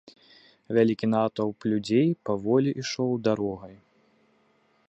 Вялікі натоўп людзей паволі ішоў дарогай.